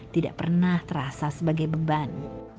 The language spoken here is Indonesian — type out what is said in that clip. tidak pernah terasa sebagai beban